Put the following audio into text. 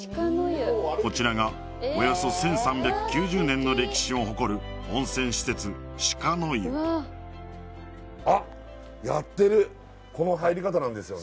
こちらがおよそ１３９０年の歴史を誇る温泉施設鹿の湯あっやってるこの入り方なんですよね